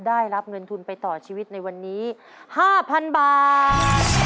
ได้รับเงินทุนไปต่อชีวิตในวันนี้๕๐๐๐บาท